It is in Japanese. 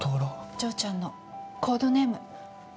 丈ちゃんのコードネーム。